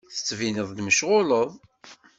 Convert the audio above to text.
Tettbineḍ-d mecɣuleḍ.